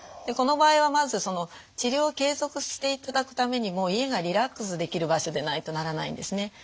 この場合はまずその治療を継続していただくためにも家がリラックスできる場所でないとならないんですね。